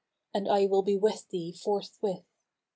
and I will be with thee forthwith.